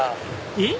えっ？